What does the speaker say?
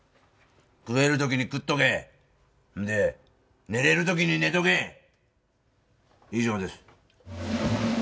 食えるときに食っとけで寝れるときに寝とけ以上です